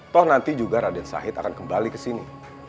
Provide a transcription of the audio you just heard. toh nanti juga raden sahid akan kembali ke sini